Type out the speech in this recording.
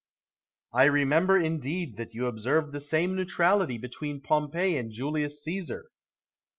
Brutus. I remember indeed that you observed the same neutrality between Pompey and Julius Caesar.